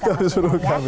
itu habis berbuka